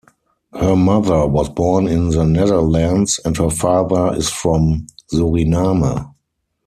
Her mother was born in the Netherlands and her father is from Suriname.